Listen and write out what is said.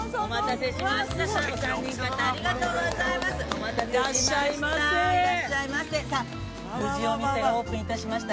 お待たせしました。